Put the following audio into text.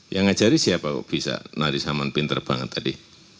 yang ngajari siapa kok bisa nari saman pinter banget tadi